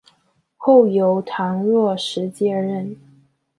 后由唐若时接任。